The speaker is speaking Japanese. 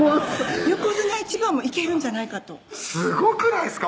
横綱１番もいけるんじゃないかとすごくないっすか？